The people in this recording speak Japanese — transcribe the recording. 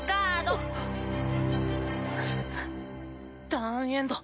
ターンエンド。